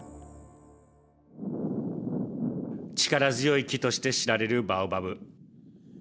力強い木として知られるバオバブ。